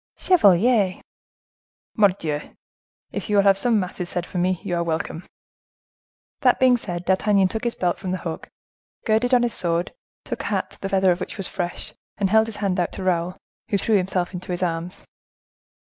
"Chevalier!" "Mordioux! If you will have some masses said for me, you are welcome." That being said, D'Artagnan took his belt from the hook, girded on his sword, took a hat the feather of which was fresh, and held his hand out to Raoul, who threw himself into his arms.